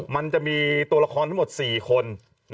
มันจะมีตัวละครทั้งหมด๔คน